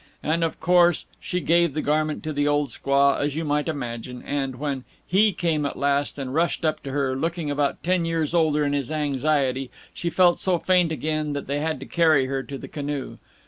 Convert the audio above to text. And of course she gave the garment to the old squaw, as you may imagine, and when HE came at last and rushed up to her, looking about ten years older in his anxiety, she felt so faint again that they had to carry her to the canoe.